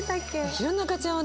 弘中ちゃんはね